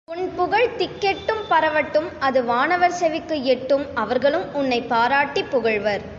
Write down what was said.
உன் புகழ் திக்கெட்டும் பரவட்டும் அது வானவர் செவிக்கு எட்டும் அவர்களும் உன்னைப் பாராட்டிப் புகழ்வர்.